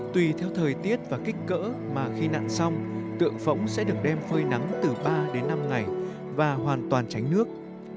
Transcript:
tùy theo thời tiết và kích cỡ mà khi nặn xong tượng phẫu sẽ được đem phơi nắng từ ba đến năm ngày và hoàn toàn tránh nước